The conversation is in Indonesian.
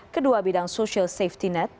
kedua bidang social safety net